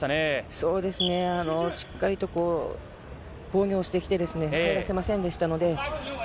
そうですね、しっかりと防御をしてきてですね、入らせませんでしたので。